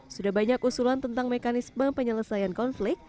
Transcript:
sudah banyak usulan tentang mekanisme penyelesaian konflik